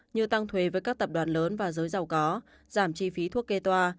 như tăng thuế với các tập đoàn lớn và giới giàu có giảm chi phí thuốc kê toa